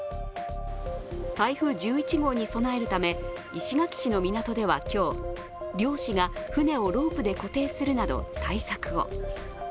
台風１１号に備えるため、石垣市の港では今日、漁師が船をロープで固定するなど対策を。